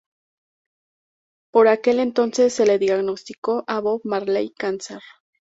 Por aquel entonces se le diagnosticó a Bob Marley cáncer.